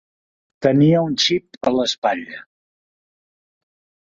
Tenia un xip a l'espatlla.